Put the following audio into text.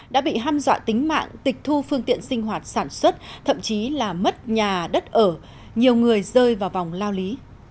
đã bị ham dọa tính mạng tịch thu phương tiện sinh hoạt sản xuất thậm chí là mất nhà đất ở nhiều người rơi vào vòng lao lý